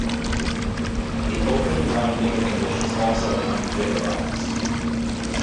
The open rounding of English is also unvelarized.